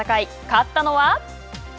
勝ったのは？